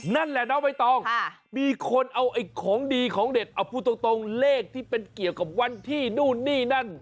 นั่นแหละน้องใบตองมีคนเอาของดีของเด็ดเอาพูดตรงเลขที่เป็นเกี่ยวกับวันที่นู่นนี่นั่น